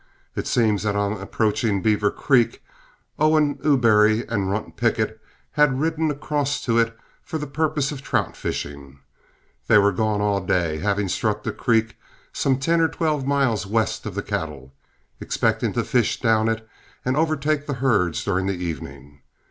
It seems that on approaching Beaver Creek, Owen Ubery and Runt Pickett had ridden across to it for the purpose of trout fishing. They were gone all day, having struck the creek some ten or twelve miles west of the cattle, expecting to fish down it and overtake the herds during the evening.